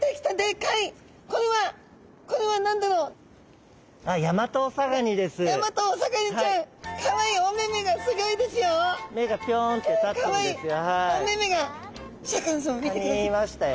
カニいましたよ。